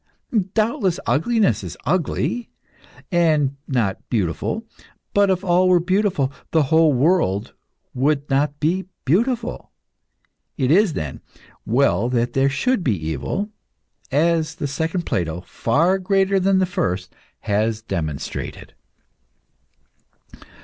Doubtless ugliness is ugly, and not beautiful; but if all were beautiful, the whole would not be beautiful. It is, then, well that there should be evil, as the second Plato, far greater than the first, has demonstrated."